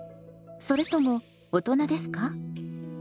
それとも大人ですか？